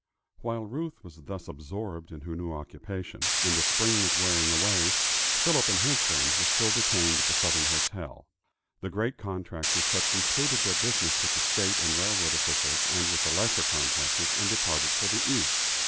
While Ruth was thus absorbed in her new occupation, and the spring was wearing away, Philip and his friends were still detained at the Southern Hotel. The great contractors had concluded their business with the state and railroad officials and with the lesser contractors, and departed for the East.